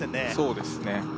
そうですね